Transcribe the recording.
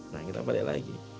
nah kita balik lagi